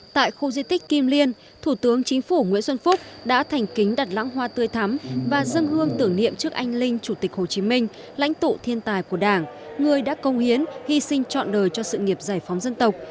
tại khu di tích kim liên thủ tướng chính phủ nguyễn xuân phúc đã thành kính đặt lãng hoa tươi thắm và dân hương tưởng niệm trước anh linh chủ tịch hồ chí minh lãnh tụ thiên tài của đảng người đã công hiến hy sinh trọn đời cho sự nghiệp giải phóng dân tộc